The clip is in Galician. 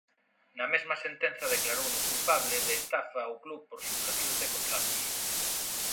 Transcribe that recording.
Na mesma sentenza declarouno culpable de estafa ao club por simulación de contratos.